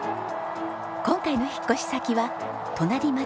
今回の引っ越し先は隣町のハーブ園。